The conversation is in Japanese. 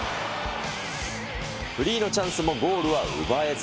フリーのチャンスもゴールは奪えず。